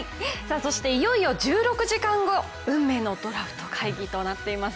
そしていよいよ１６時間後運命のドラフト会議となっています。